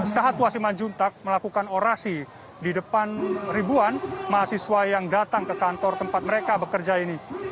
sahat wasiman juntak melakukan orasi di depan ribuan mahasiswa yang datang ke kantor tempat mereka bekerja ini